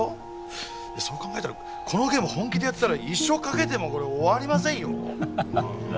そう考えたらこのゲーム本気でやったら一生かけても終わりませんよ。